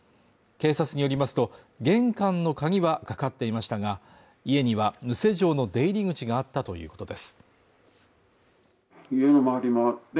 警察によりますと玄関の鍵はかかっていましたが家には無施錠の出入り口があったということです